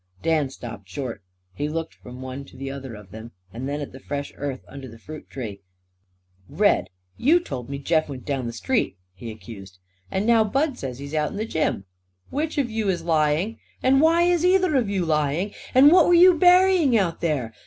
Dan stopped short. He looked from one to the other of them; then at the fresh earth under the fruit tree. "Red, you told me Jeff went down street!" he accused. "And now Bud says he's out in the gym. Which of you is lying? And why is either of you lying? And what were you burying out there?